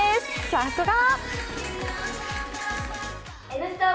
さすが！